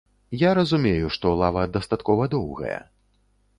Я разумею, што лава дастаткова доўгая.